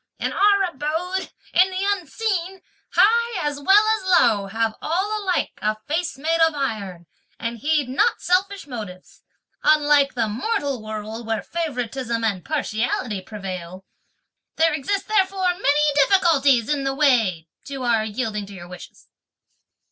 In our abode, in the unseen, high as well as low, have all alike a face made of iron, and heed not selfish motives; unlike the mortal world, where favouritism and partiality prevail. There exist therefore many difficulties in the way (to our yielding to your wishes)."